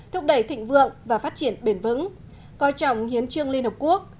thúc đẩy thịnh vượng và phát triển bền vững coi trọng hiến trương liên hợp quốc